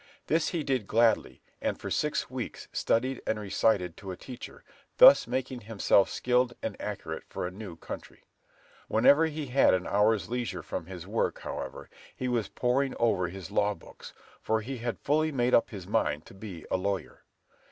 This he did gladly, and for six weeks studied and recited to a teacher, thus making himself skilled and accurate for a new country. Whenever he had an hour's leisure from his work, however, he was poring over his law books, for he had fully made up his mind to be a lawyer.